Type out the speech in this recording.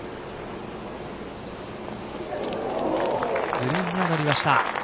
グリーンにはのりました。